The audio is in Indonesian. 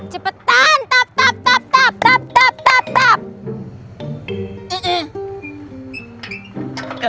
cepetan tap tap tap tap tap tap tap tap tap